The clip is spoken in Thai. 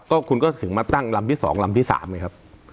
ก็คุณก็ถึงมาตั้งลำที่๒ลำที่๓ไงครับ